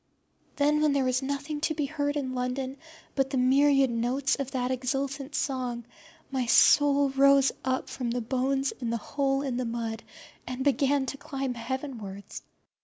Then when there was nothing to be heard in London but the myriad notes of that exultant song, my soul rose up from the bones in the hole in the mud and began to climb heavenwards.